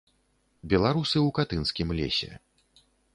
Беларусы ў катынскім лесе.